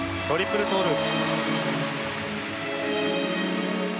トリプルループ。